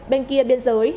bên kia biên giới